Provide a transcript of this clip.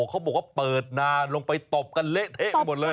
เขาบอกว่าเปิดนานลงไปตบกันเละเทะไปหมดเลย